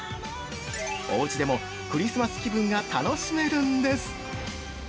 おうちでもクリスマス気分が楽しめるんです！